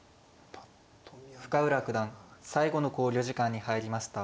深浦九段最後の考慮時間に入りました。